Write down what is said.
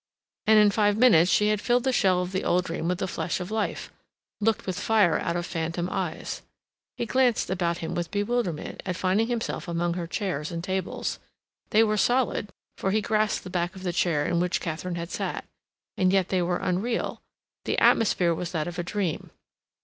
And in five minutes she had filled the shell of the old dream with the flesh of life; looked with fire out of phantom eyes. He glanced about him with bewilderment at finding himself among her chairs and tables; they were solid, for he grasped the back of the chair in which Katharine had sat; and yet they were unreal; the atmosphere was that of a dream.